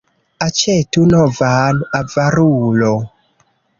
Aĉetu novan, avarulo!